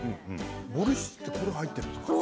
ボルシチってビーツ入っているんですか？